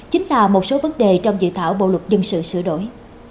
chính là một số vấn đề trong dự thảo bộ luật dân sự sửa đổi